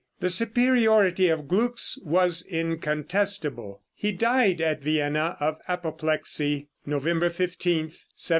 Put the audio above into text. The superiority of Gluck's was incontestable. He died at Vienna, of apoplexy, November 15, 1787.